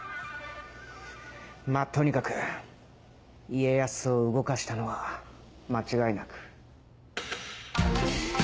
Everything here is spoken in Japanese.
まぁとにかく家康を動かしたのは間違いなく。